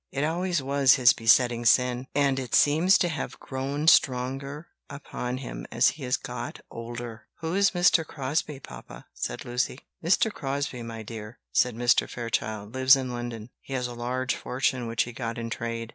It always was his besetting sin, and it seems to have grown stronger upon him as he has got older." "Who is Mr. Crosbie, papa?" said Lucy. "Mr. Crosbie, my dear," said Mr. Fairchild, "lives in London. He has a large fortune which he got in trade.